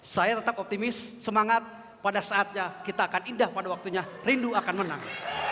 saya tetap optimis semangat pada saatnya kita akan indah pada waktunya rindu akan menang